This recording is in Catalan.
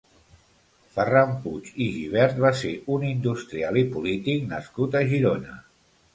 Ferran Puig i Gibert va ser un industrial i polític nascut a Girona.